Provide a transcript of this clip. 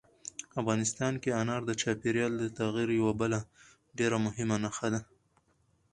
افغانستان کې انار د چاپېریال د تغیر یوه بله ډېره مهمه نښه ده.